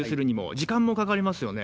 時間もかかりますよね。